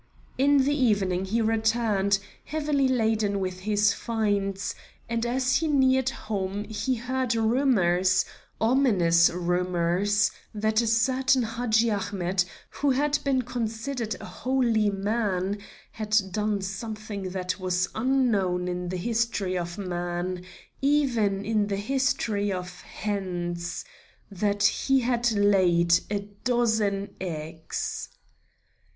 In the evening he returned, heavily laden with his finds, and as he neared home he heard rumors, ominous rumors, that a certain Hadji Ahmet, who had been considered a holy man, had done something that was unknown in the history of man, even in the history of hens that he had laid a dozen eggs.